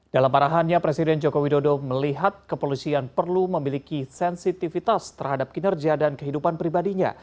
dalam arahannya presiden joko widodo melihat kepolisian perlu memiliki sensitivitas terhadap kinerja dan kehidupan pribadinya